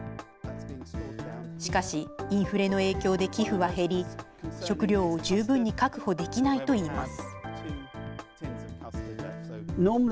しかし、インフレの影響で寄付は減り、食料を十分に確保できないといいます。